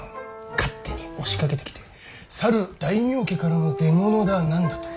勝手に押しかけてきてさる大名家からの出物だ何だと。